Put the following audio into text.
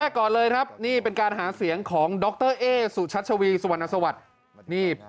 ก่อนเลยครับนี่เป็นการหาเสียงของดรเอ๊สุชัชวีสุวรรณสวัสดิ์